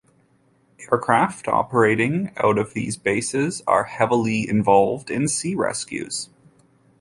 Aircraft operating out of these bases are heavily involved in sea rescues.